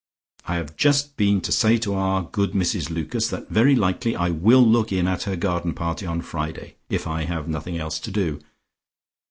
I have just been to say to our good Mrs Lucas that very likely I will look in at her garden party on Friday, if I have nothing else to do.